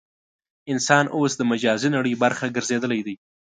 انسان اوس د مجازي نړۍ برخه ګرځېدلی دی.